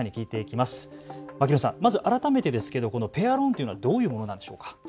まず改めてですけどこのペアローンというのはどういうものなんでしょうか。